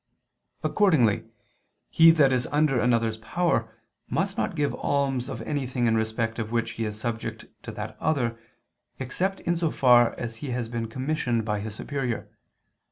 Accordingly he that is under another's power must not give alms of anything in respect of which he is subject to that other, except in so far as he has been commissioned by his superior.